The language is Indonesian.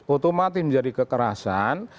otomatis menjadi kekerasan